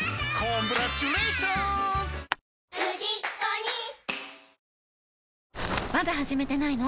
ニトリまだ始めてないの？